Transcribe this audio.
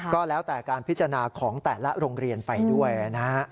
ก็แล้วแต่การพิจารณาของแต่ละโรงเรียนไปด้วยนะฮะ